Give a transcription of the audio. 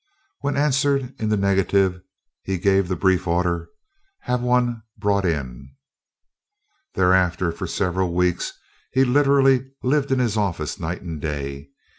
When answered in the negative, he gave the brief order, "Have one brought in." Thereafter for several weeks he literally lived in his office night and day.